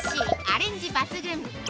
アレンジ抜群！？？？